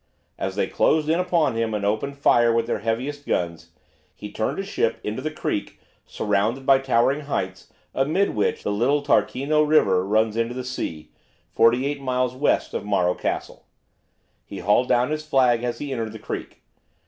As they closed in upon him and opened fire with their heaviest guns, he turned his ship into the creek surrounded by towering heights amid which the little Tarquino River runs into the sea, forty eight miles west of Morro Castle. He hauled down his flag as he entered the creek.